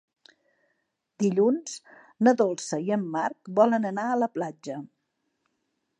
Dilluns na Dolça i en Marc volen anar a la platja.